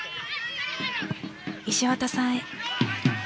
石渡さんへ。